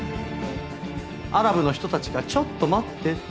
アラブの人たちがちょっと待ってっていう時にやる仕草。